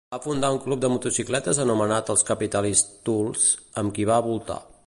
Va fundar un club de motociclistes anomenat els Capitalist Tools, amb qui va voltar.